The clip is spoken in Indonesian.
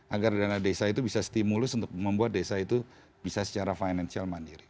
agar dana desa itu bisa stimulus untuk membuat desa itu bisa secara financial mandiri